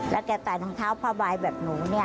แล้วแกใส่ทองเท้าพาบายแบบหนูนี่